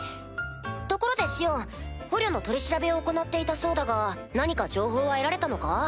ところでシオン捕虜の取り調べを行っていたそうだが何か情報は得られたのか？